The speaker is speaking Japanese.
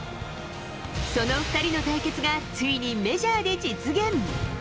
その２人の対決がついにメジャーで実現。